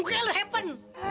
mukanya lu hepen